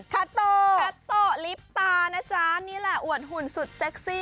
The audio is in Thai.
คาโตคาโตลิปตานะจ๊ะนี่แหละอวดหุ่นสุดเซ็กซี่